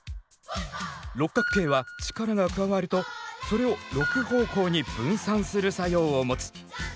六角形は力が加わるとそれを６方向に分散する作用を持つ。